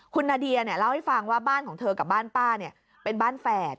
คุณนาเดียเล่าให้ฟังว่าบ้านของเธอกับบ้านป้าเป็นบ้านแฝด